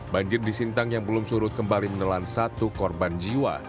banjir di sintang yang belum surut kembali menelan satu korban jiwa